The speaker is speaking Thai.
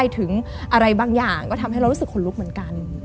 ถึงอะไรบางอย่างก็ทำให้เรารู้สึกขนลุกเหมือนกัน